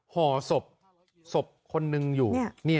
ห่อศพคนนึงอยู่